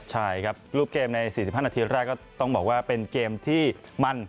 ใช่ครับรูปเกมใน๔๕นาทีแรกก็ต้องบอกว่าเป็นเกมที่มั่น